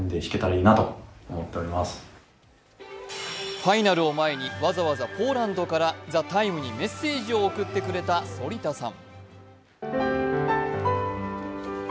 ファイナルを前にわざわざポーランドから「ＴＨＥＴＩＭＥ，」にメッセージを送ってくれた反田さん。